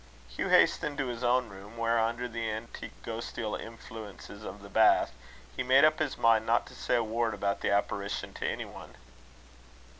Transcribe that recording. Hugh hastened to his own room, where, under the anti ghostial influences of the bath, he made up his mind not to say a word about the apparition to any one.